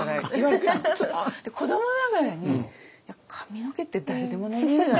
子どもながらに「いや髪の毛って誰でも伸びるよな」